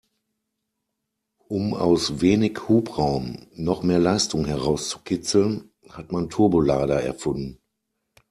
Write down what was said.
Um aus wenig Hubraum noch mehr Leistung herauszukitzeln, hat man Turbolader erfunden.